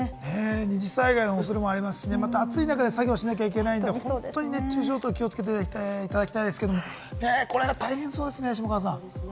二次災害の恐れもありますし、暑い中で作業しなきゃいけないので、熱中症とか気をつけていただきたいですけれども、大変そうですね、下川さん。